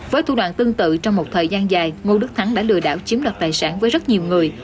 với thu đoạn tương tự trong một thời gian dài ngô đức thắng đã lừa đảo chiếm đoạt tài sản với rất nhiều người